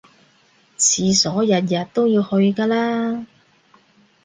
廁所日日都要去㗎啦